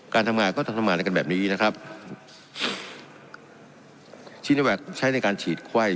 การทำงานก็ต้องทำงานอะไรกันแบบนี้นะครับชิโนแวคใช้ในการฉีดไข้